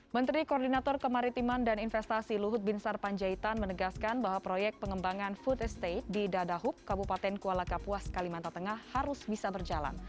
menteri koordinator kemaritiman dan investasi luhut binsar panjaitan menegaskan bahwa proyek pengembangan food estate di dadahub kabupaten kuala kapuas kalimantan tengah harus bisa berjalan